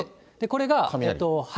これが雷？